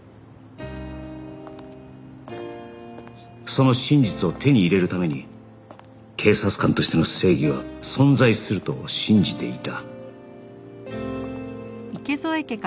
その真実を手に入れるために警察官としての正義は存在すると信じていた